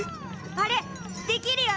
あれできるよね！